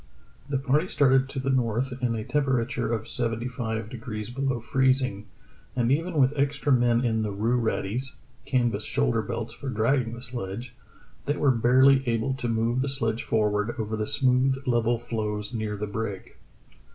The party started to the north in a temperature of seventy five degrees below freezing, and even with extra men in the rue raddies (canvas shoulder belts for dragging the sledge) they were barely able to move the sledge forward over the smooth, level floes near the brig.